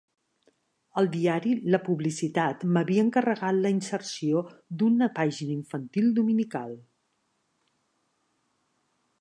El diari La Publicitat m'havia encarregat la inserció d'una pàgina infantil dominical.